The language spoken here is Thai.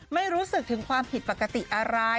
ไม่รู้สึกถึงความผิดปกติอะไร